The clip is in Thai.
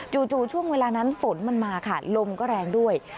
จู่ช่วงเวลานั้นฝนมันมาค่ะลมก็แรงด้วย